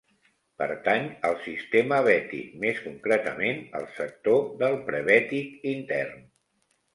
Pertany al Sistema Bètic, més concretament al sector del Prebètic intern.